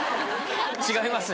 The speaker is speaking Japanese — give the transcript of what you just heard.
違いますよ。